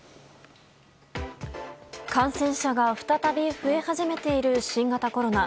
感染者が再び増え始めている新型コロナ。